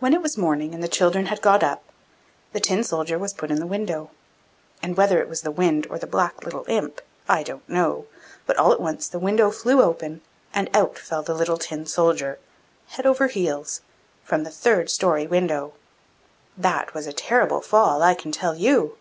When it was morning, and the children had got up, the Tin soldier was put in the window; and whether it was the wind or the little black imp, I don't know, but all at once the window flew open and out fell the little Tin soldier, head over heels, from the third storey window! That was a terrible fall, I can tell you!